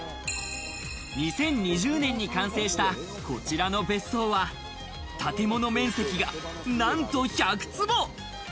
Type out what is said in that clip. ２０２０年に完成した、こちらの別荘は建物面積がなんと１００坪。